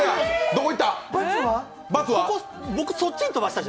どこ行った！？